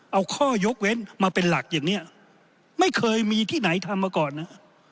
เอาข้อยกเว้นมาเป็นหลักอย่างนี้ไม่เคยมีที่ไหนทำมาก่อนนะ